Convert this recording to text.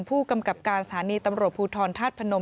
ผู้กำกับการสถานีตำรวจภูทรธาตุพนม